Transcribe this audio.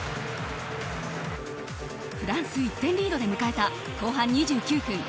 フランス１点リードで迎えた後半２９分。